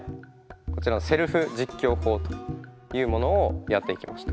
こちらのセルフ実況法というものをやっていきました。